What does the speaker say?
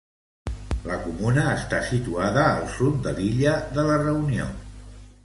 La comuna està situada al sud de l'illa de la Reunió.